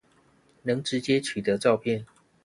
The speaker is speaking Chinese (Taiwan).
能直接取得照片